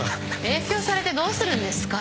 影響されてどうするんですか。